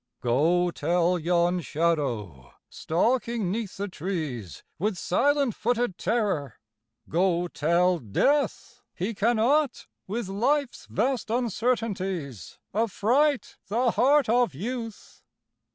Go tell yon shadow stalking 'neath the trees With silent footed terror, go tell Death He cannot with Life's vast uncertainties Affright the heart of Youth